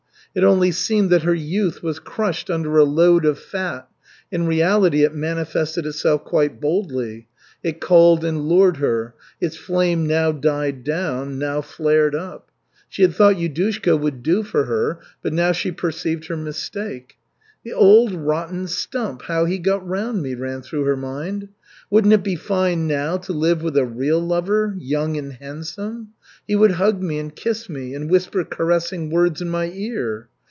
It only seemed that her youth was crushed under a load of fat, in reality it manifested itself quite boldly. It called and lured her; its flame now died down, now flared up. She had thought Yudushka would do for her, but now she perceived her mistake. "The old, rotten stump, how he got round me!" ran through her mind. "Wouldn't it be fine now to live with a real lover, young and handsome? He would hug me and kiss me and whisper caressing words in my ear.